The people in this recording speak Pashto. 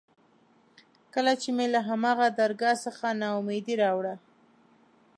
کله چې مې له هماغه درګاه څخه نا اميدي راوړه.